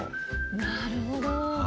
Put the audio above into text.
なるほど。